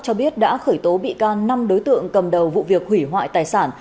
cho biết đã khởi tố bị can năm đối tượng cầm đầu vụ việc hủy hoại tài sản